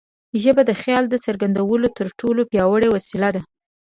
ژبه د خیال د څرګندولو تر ټولو پیاوړې وسیله ده.